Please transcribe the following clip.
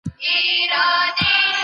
په داستاني ادبیاتو کې څېړنه اړینه ده.